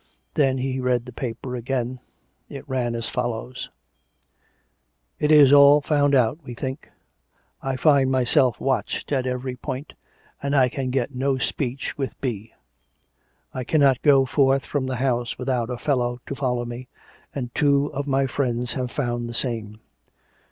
Then he read the paper again. It ran as follows: " It is all found out, we think. I find myself watched at every point, and I can get no speech with B. I cannot go forth from the house without a fellow to follow me, and two of my friends have found the same.